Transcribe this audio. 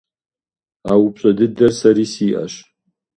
А упщӏэ дыдэр сэри сиӏэщ.